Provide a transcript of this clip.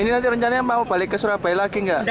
ini nanti rencananya mau balik ke surabaya lagi nggak